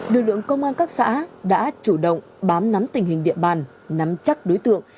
lực lượng công an các xã đã chủ động bám nắm tình hình địa bàn nắm chắc đối tượng